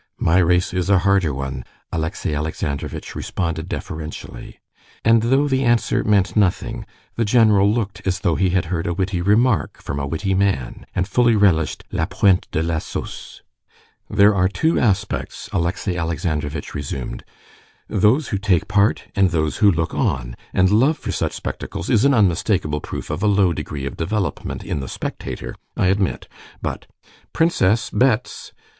"My race is a harder one," Alexey Alexandrovitch responded deferentially. And though the answer meant nothing, the general looked as though he had heard a witty remark from a witty man, and fully relished la pointe de la sauce. "There are two aspects," Alexey Alexandrovitch resumed: "those who take part and those who look on; and love for such spectacles is an unmistakable proof of a low degree of development in the spectator, I admit, but...." "Princess, bets!"